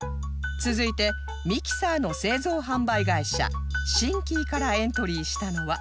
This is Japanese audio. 続いてミキサーの製造販売会社シンキーからエントリーしたのは